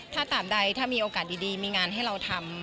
ถ้าตามใดถ้ามีโอกาสดีมีงานให้เราทำ